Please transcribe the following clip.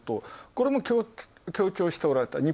これも強調しておられた。